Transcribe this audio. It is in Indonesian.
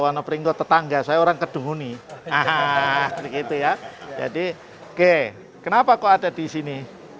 sama peringkat tetangga saya orang keduhuni ah begitu ya jadi oke kenapa kau ada di sini